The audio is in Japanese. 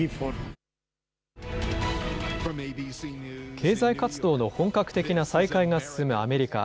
経済活動の本格的な再開が進むアメリカ。